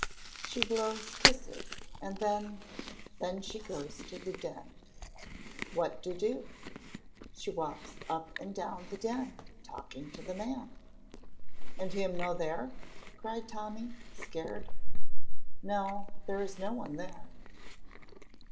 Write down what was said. "She blows kisses, and then then she goes to the Den." "What to do?" "She walks up and down the Den, talking to the man." "And him no there?" cried Tommy, scared. "No, there is no one there."